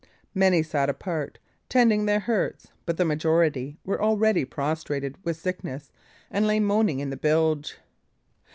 Many sat apart, tending their hurts, but the majority were already prostrated with sickness, and lay moaning in the bilge.